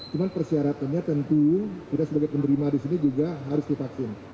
cuma persyaratannya tentu kita sebagai penerima di sini juga harus divaksin